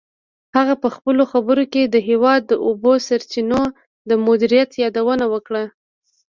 هغه په خپلو خبرو کې د هېواد د اوبو سرچینو د مدیریت یادونه وکړه.